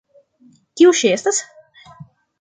Kiu ŝi estas?